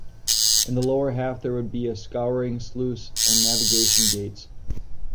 In the lower half there would be a scouring sluice and navigation gates.